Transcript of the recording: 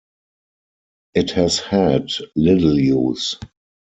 It has had little use.